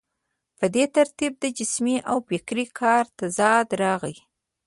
په دې ترتیب د جسمي او فکري کار تضاد راغی.